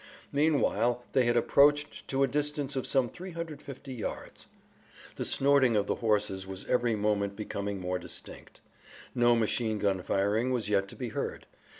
Meanwhile they had approached to a distance of some 350 yards. The snorting of the horses was every moment becoming more distinct. No machine gun firing was yet to be heard.